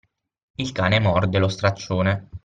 Il cane morde lo straccione.